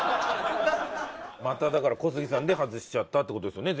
まただから小杉さんで外しちゃったって事ですよね。